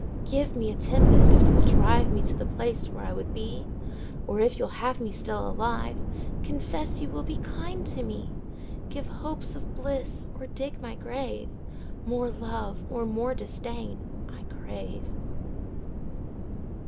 Give me a tempest if 'twill drive Me to the place where I would be; Or if you'll have me still alive, Confess you will be kind to me. 10 Give hopes of bliss or dig my grave: More love or more disdain I crave.